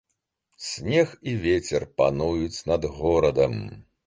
Снег і вецер пануюць над горадам.